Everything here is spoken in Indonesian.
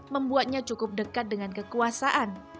membuatnya cukup dekat dengan kekuasaan